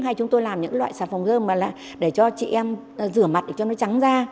hay chúng tôi làm những loại sản phẩm gơm để cho chị em rửa mặt để cho nó trắng da